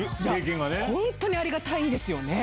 本当にありがたいんですよね。